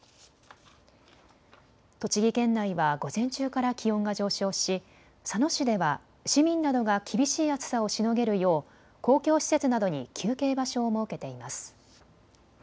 栃木県内は午前中から気温が上昇し佐野市では市民などが厳しい暑さをしのげるよう公共施設などに休憩場所を設けています。